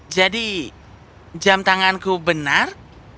jadi jam tanganku benar